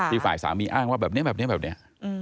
ที่ฝ่ายสามีอ้างว่าแบบนี้แบบนี้